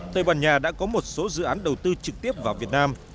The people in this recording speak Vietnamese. tây ban nha đã có một số dự án đầu tư trực tiếp vào việt nam